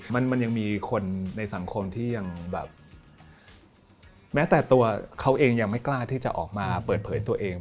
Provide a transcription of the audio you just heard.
มันยังมีคนในสังคมที่ยังแบบแม้แต่ตัวเขาเองยังไม่กล้าที่จะออกมาเปิดเผยตัวเอง